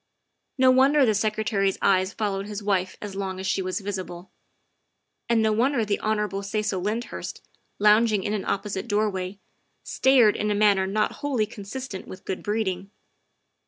No wonder the Secretary's eyes followed his wife as long as she was visible. And no wonder the Hon. Cecil Lyndhurst, lounging in an opposite doorway, stared in a manner not wholly consistent with good breeding.